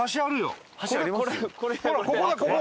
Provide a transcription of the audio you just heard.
ほらここだここ！